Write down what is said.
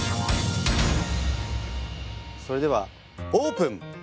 それではオープン。